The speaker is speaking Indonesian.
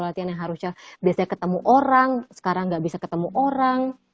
latihan yang harusnya biasanya ketemu orang sekarang gak bisa ketemu orang